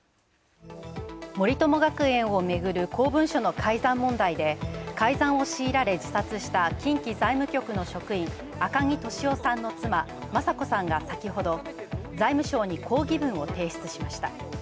森友学園をめぐる公文書の改ざん問題で改ざんを強いられ自殺した近畿財務局の職員赤城俊夫の妻・雅子さんが先ほど財務省に抗議文を提出しました。